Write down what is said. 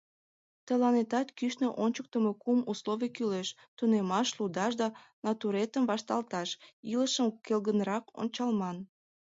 Тыланетат кӱшнӧ ончыктымо кум условий кӱлеш: тунемаш, лудаш да натуретым вашталташ, илышым келгынрак ончалман.